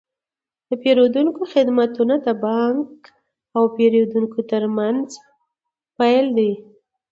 د پیرودونکو خدمتونه د بانک او پیرودونکي ترمنځ پل دی۔